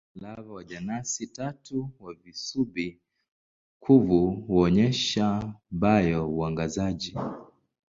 Lava wa jenasi tatu za visubi-kuvu huonyesha bio-uangazaji.